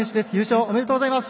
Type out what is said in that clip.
おめでとうございます。